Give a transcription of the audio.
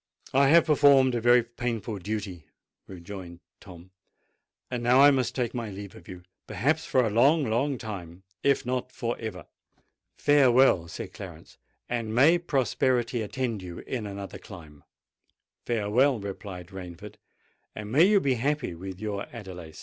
"I have performed a very painful duty," rejoined Tom: "and now I must take my leave of you—perhaps for a long, long time—if not for ever." "Farewell," said Clarence; "and may prosperity attend you in another clime." "Farewell," replied Rainford; "and may you be happy with your Adelais."